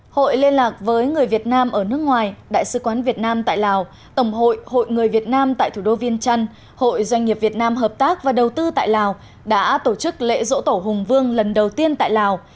hội liên lạc với người việt nam ở nước ngoài đại sứ quán việt nam tại lào tổng hội hội người việt nam tại thủ đô viên trăn hội doanh nghiệp việt nam hợp tác và đầu tư tại lào đã tổ chức lễ dỗ tổ hùng vương lần đầu tiên tại lào